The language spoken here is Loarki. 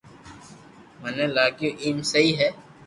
مني لاگيي ايم سھي ھي